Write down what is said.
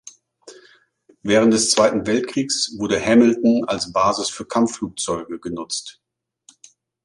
Während des Zweiten Weltkriegs wurde Hamilton als Basis für Kampfflugzeuge genutzt.